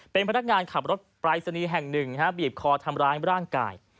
เป็นพนักงานขับรถปรายศนีย์แห่งหนึ่งบีบคอทำร้ายร่างกาย